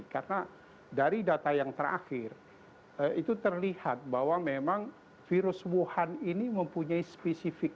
karena dari data yang terakhir itu terlihat bahwa memang virus wuhan ini mempunyai spesifik